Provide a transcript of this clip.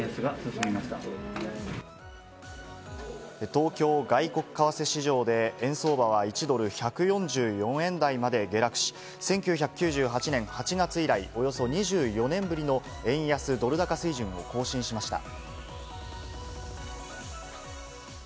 東京外国為替市場で円相場は１ドル＝１４４円台まで下落し、１９９８年８月以来、およそ２４年ぶりの円安ドル高水準を更新しました。